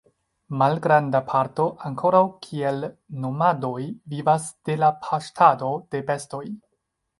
Malgranda parto ankoraŭ kiel nomadoj vivas de la paŝtado de bestoj.